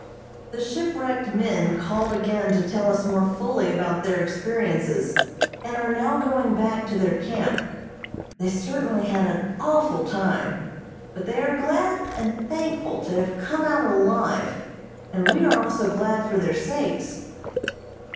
The shipwrecked men called again to tell us more fully about their experiences, and are now going back to their camp. They certainly had an awful time, but they are glad and thankful to have come out alive, and we are also glad for their sakes.